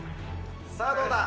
さあ、どうだ。